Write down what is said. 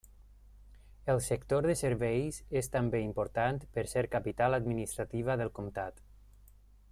El sector de serveis és també important per ser capital administrativa del comtat.